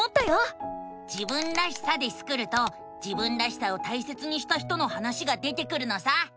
「自分らしさ」でスクると自分らしさを大切にした人の話が出てくるのさ！